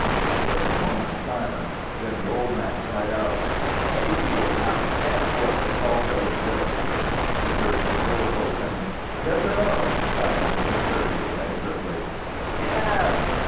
There was a moment's silence; then the old man cried out: "Take the old hound! He ain't wuth the salt in his vittles!" He jerked the door open. "Yes or no?" called Mr. Kirby inexorably. "Yes!"